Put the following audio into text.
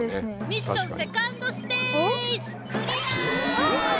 ミッションセカンドステージわ！